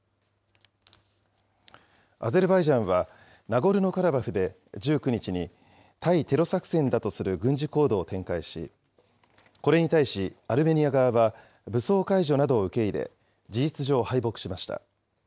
アゼルバイジャンはナゴルノカラバフで１９日に、対テロ作戦だとする軍事行動を展開し、これに対し、アルメニア側は武装解除などを受け入れ、事実上、敗北しました。